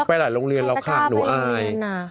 ไปหลายโรงเรียนแล้วค่ะหนูอาย